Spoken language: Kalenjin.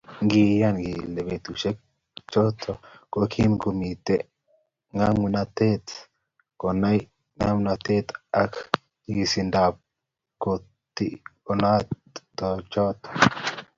Kiiyan kike betusiechoto kokimakotinyei ngomnotetab konai ngomnotet ak nyigisindab kotigonutichoto